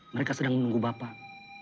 mereka sedang menunggu bapak